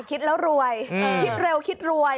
คิดแล้วรวยคิดเร็วคิดรวย